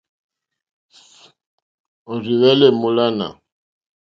Òrzì hwɛ́lɛ́ èmólánà.